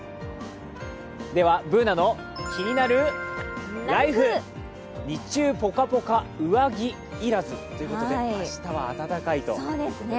「ＢｏｏｎａのキニナルＬＩＦＥ」日中ぽかぽか上着いらずということで明日は暖かいということですね。